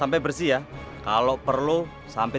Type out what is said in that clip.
pekerjaan ini mungkin jatuh di otak